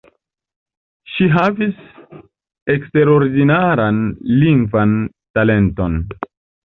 Ŝi havis eksterordinaran lingvan talenton.